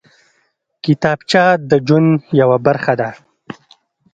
کتابچه د ژوند یوه برخه ده